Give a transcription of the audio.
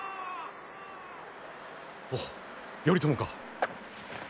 おお頼朝か？